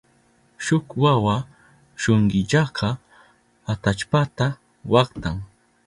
Shuk wawa shunkillaka atallpata waktan.